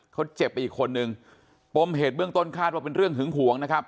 เขาเจ็บไปอีกคนนึงปมเหตุเบื้องต้นคาดว่าเป็นเรื่องหึงหวงนะครับ